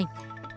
người dơ rai